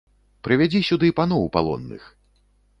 Прывядзі сюды паноў палонных!